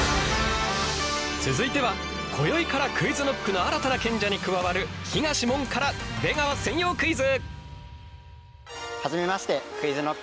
続いてはこよいからＱｕｉｚＫｎｏｃｋの新たな賢者に加わる東問から出川専用クイズ！